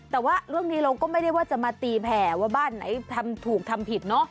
แต่ว่าเรื่องนี้เราก็ไม่ได้ว่าจะมาตีแผ่ว่าบ้านไหนทำถูกทำผิดเนอะ